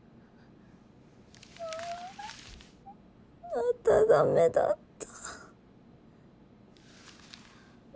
また駄目だった。